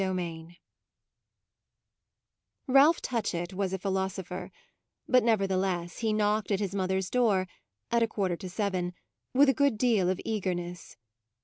CHAPTER V Ralph Touchett was a philosopher, but nevertheless he knocked at his mother's door (at a quarter to seven) with a good deal of eagerness.